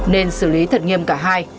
nên xử lý thật nghiêm cả hai